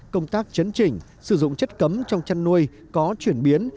công tác chấn chỉnh sử dụng chất cấm trong chăn nuôi có chuyển biến